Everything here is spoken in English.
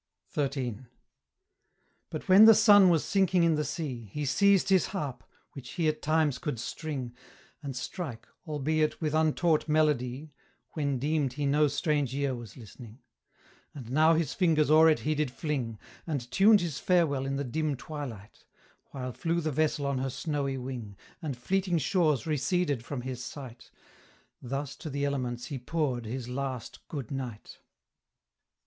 XIII. But when the sun was sinking in the sea, He seized his harp, which he at times could string, And strike, albeit with untaught melody, When deemed he no strange ear was listening: And now his fingers o'er it he did fling, And tuned his farewell in the dim twilight, While flew the vessel on her snowy wing, And fleeting shores receded from his sight, Thus to the elements he poured his last 'Good Night.'